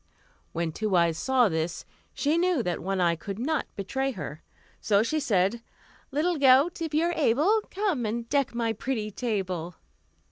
When Two Eyes saw this, she knew that One Eye could not betray her, so she said: "Little goat, if you are able, Come and deck my pretty table."